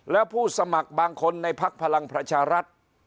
แล้วผู้สมัครบางคนในพักพลังประชารัฐ